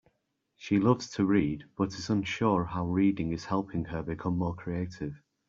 She loves to read, but is unsure how reading is helping her become more creative.